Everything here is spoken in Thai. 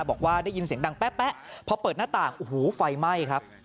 บอกว่าได้ยินเสียงดังแป๊ะพอเปิดหน้าต่างโอ้โหไฟไหม้ครับ